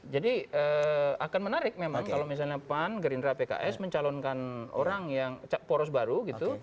jadi akan menarik memang kalau misalnya pan gerindra pks mencalonkan orang yang poros baru gitu